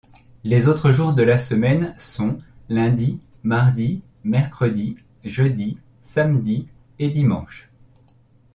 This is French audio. Les autres jours de la semaine sont lundi, mardi, mercredi, jeudi, samedi, et dimanche.